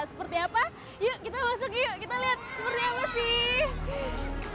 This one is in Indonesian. seperti apa yuk kita masuk yuk kita lihat seperti apa sih